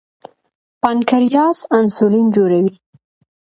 پانکریاس انسولین جوړوي.